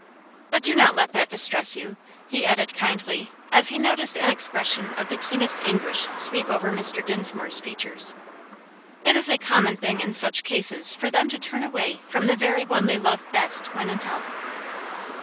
But do not let that distress you," he added kindly, as he noticed an expression of the keenest anguish sweep over Mr. Dinsmore's features; "it is a common thing in such cases for them to turn away from the very one they love best when in health."